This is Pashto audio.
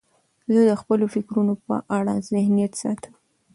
زه د خپلو فکرونو په اړه ذهنیت ساتم.